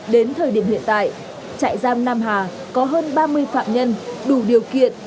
đến thời điểm hiện tại trại giam nam hà có hơn ba mươi phạm nhân đủ điều kiện